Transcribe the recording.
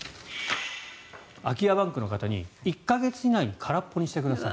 空き家バンクの方に１か月以内に空っぽにしてください。